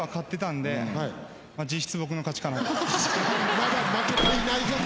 まだ負けていないぞと。